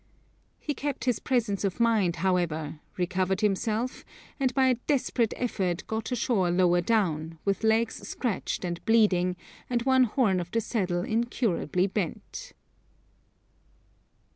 He kept his presence of mind, however, recovered himself, and by a desperate effort got ashore lower down, with legs scratched and bleeding and one horn of the saddle incurably bent.